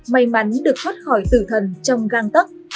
may mắn được thoát khỏi tử thần trong gan tất